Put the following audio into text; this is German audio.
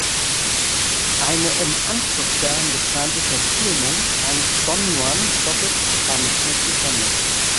Eine im Anschluss daran geplante Verfilmung eines "Don Juan"-Stoffes kam nicht mehr zustande.